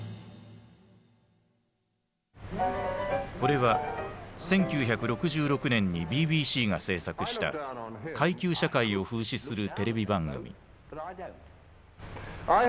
これは１９６６年にＢＢＣが制作した階級社会を風刺するテレビ番組。